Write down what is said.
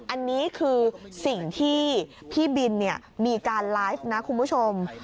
อันนี้คือสิ่งที่พี่บินมีการไลฟ์นะคุณผู้ชม